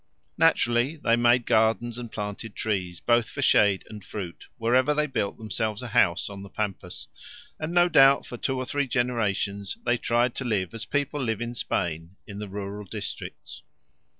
Naturally they made gardens and planted trees, both for shade and fruit, wherever they built themselves a house on the pampas, and no doubt for two or three generations they tried to live as people live in Spain, in the rural districts.